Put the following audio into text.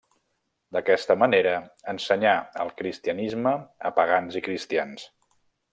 D'aquesta manera, ensenyà el cristianisme a pagans i cristians.